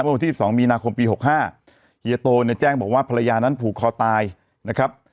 วันที่๑๒มีนาคมปี๖๕เฮียโตเนี่ยแจ้งบอกว่าภรรยานั้นผูกคอตายนะครับ